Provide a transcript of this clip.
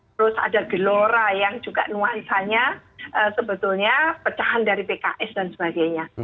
terus ada gelora yang juga nuansanya sebetulnya pecahan dari pks dan sebagainya